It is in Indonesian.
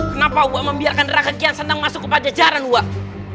kenapa aku membiarkan rakyat yang senang masuk ke pajajaran aku